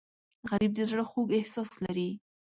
غریب د زړه خوږ احساس لري